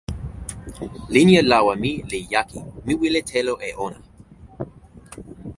linja lawa mi li jaki. mi wile telo e ona.